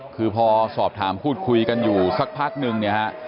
คือพ่อสอบถามพูดคุยกันอยู่สักพักนึง